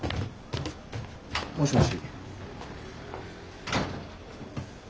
もしもし。